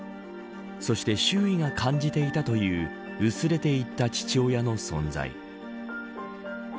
そして、周囲が感じていたという薄れていった父親の存在。